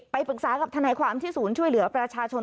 ปรึกษากับทนายความที่ศูนย์ช่วยเหลือประชาชน